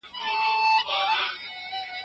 موږ د بشپړتیا وروستي پړاو ته ځو.